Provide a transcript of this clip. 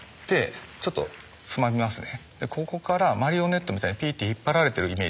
ちょっとつまみますね。